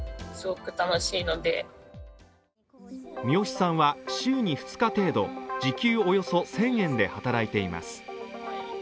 三好さんは週に２日程度時給およそ１０００円で働いています。